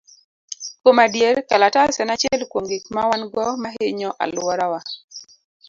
Kuom adier, kalatas en achiel kuom gik ma wan go ma hinyo alworawa.